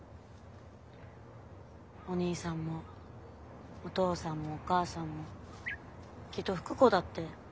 お兄さんもお父さんもお母さんもきっと福子だって。